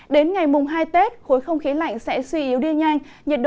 đến ngày mùng hai tết khối không khí lạnh sẽ suy yếu đi nhanh